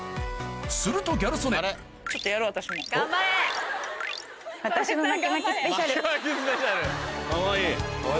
するとギャル曽根うん。